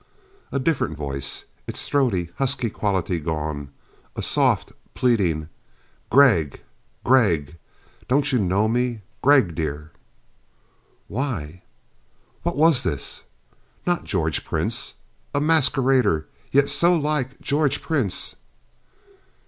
A different voice; its throaty, husky quality gone. A soft pleading. "Gregg Gregg, don't you know me? Gregg, dear...." Why, what was this? Not George Prince? A masquerader, yet so like George Prince.